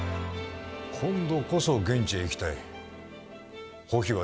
今度こそ現地へ行きたい。